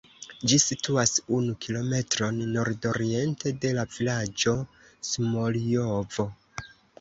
Ĝi situas unu kilometron nordoriente de la vilaĝo Smoljovo.